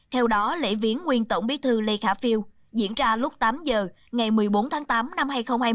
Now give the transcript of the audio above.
theo đó lễ viếng nguyên tổng bí thư lê khả phiêu diễn ra lúc tám giờ ngày một mươi bốn tháng tám năm hai nghìn hai mươi